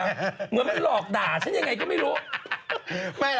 เหมือนมันหลอกด่าฉันยังไงก็ไม่รู้